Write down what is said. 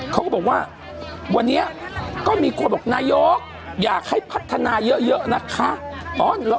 เขาก็บอกว่าวันนี้ก็มีคนบอกนายกอยากให้พัฒนาเยอะนะคะ